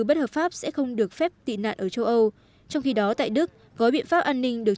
của đức sẽ không được phép tị nạn ở châu âu trong khi đó tại đức gói biện pháp an ninh được